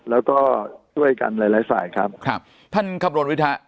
แล้วก็ช่วยกันหลายหลายฝ่ายครับครับท่านคำนวณวิทะ